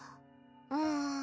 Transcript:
うん。